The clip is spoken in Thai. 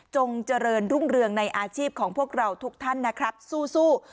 เจริญรุ่งเรืองในอาชีพของพวกเราทุกท่านนะครับสู้